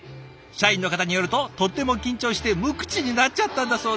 社員の方によるととっても緊張して無口になっちゃったんだそうです。